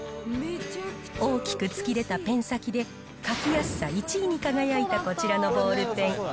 大きく突き出たペン先で、書きやすさ１位に輝いたこちらのボールペン。